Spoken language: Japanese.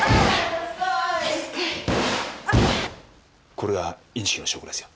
これがインチキの証拠ですよ。